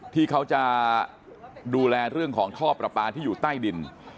ที่เขาจะดูแลเรื่องของท่อประปาที่อยู่ใต้ดิน